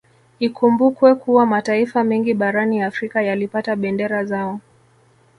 Ikumbukwe kuwa mataifa mengi barani Afrika yalipata bendera zao